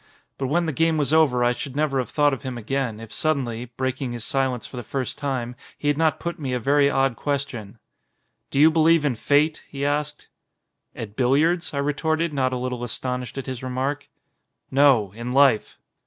But when the game was over I should never have thought of him again, if suddenly, breaking his silence for the first time, he had not put me a very odd question. "Do you believe in fate?" he asked. "At billiards?" I retorted not a little astonished at his remark. "No, in life."